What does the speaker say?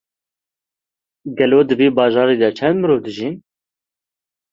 Gelo di vî bajarî de çend mirov dijîn?